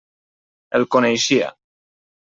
El coneixia.